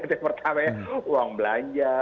itu yang pertama ya uang belanja